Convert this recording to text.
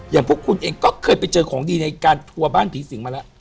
พวกคุณเองก็เคยไปเจอของดีในการทัวร์บ้านผีสิงมาแล้ว